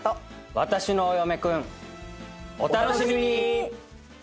『わたしのお嫁くん』お楽しみに！